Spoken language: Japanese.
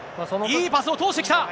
いいパスを通してきた。